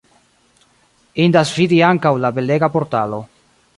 Indas vidi ankaŭ la belega portalo.